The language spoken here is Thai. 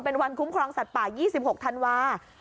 เป็นวันคุ้มครองสัตว์ป่า๒๖ธันวาคม